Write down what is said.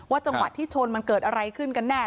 จังหวะที่ชนมันเกิดอะไรขึ้นกันแน่